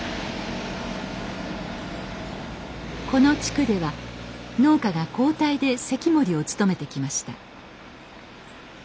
この地区では農家が交代で堰守を務めてきました。